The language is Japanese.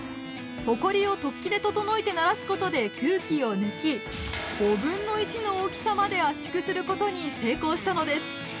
ホコリを突起で整えてならすことで空気を抜き５分の１の大きさまで圧縮することに成功したのです！